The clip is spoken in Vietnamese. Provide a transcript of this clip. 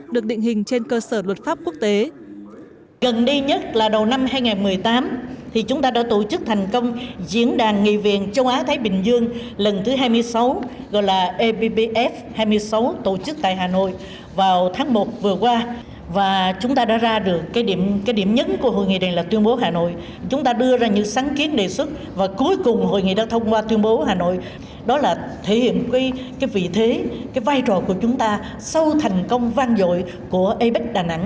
được định hình trên cơ sở luật pháp quốc tế